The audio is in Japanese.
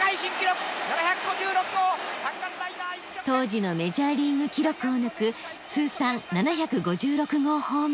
当時のメジャーリーグ記録を抜く通算７５６号ホームラン。